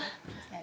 あ！